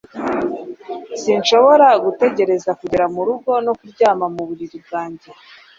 Sinshobora gutegereza kugera mu rugo no kuryama mu buriri bwanjye